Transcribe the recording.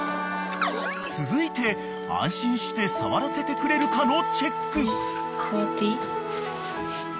［続いて安心して触らせてくれるかのチェック］